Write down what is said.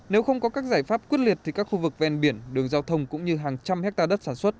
nếu không có các giải pháp quyết liệt thì các khu vực ven biển đường giao thông cũng như hàng trăm hectare đất sản xuất